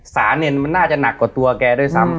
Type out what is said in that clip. สารเนี่ยมันน่าจะหนักกว่าตัวแกด้วยซ้ำ